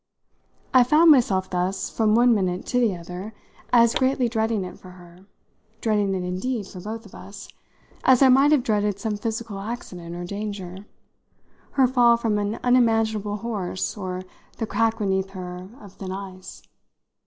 I found myself thus, from one minute to the other, as greatly dreading it for her, dreading it indeed for both of us, as I might have dreaded some physical accident or danger, her fall from an unmanageable horse or the crack beneath her of thin ice.